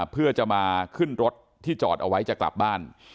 เพื่อจะมาขึ้นรถที่จอดเอาไว้จะกลับบ้าน